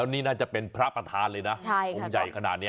นี่น่าจะเป็นพระประธานเลยนะองค์ใหญ่ขนาดนี้